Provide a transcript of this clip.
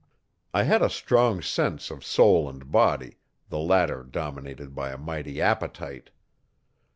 I had a strong sense of soul and body, the latter dominated by a mighty appetite.